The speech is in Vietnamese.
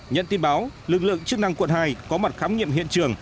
nhận tin báo lực lượng chức năng quận hai có mặt khám nghiệm hiện trường